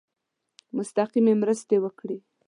مستقیمي مرستي وکړي.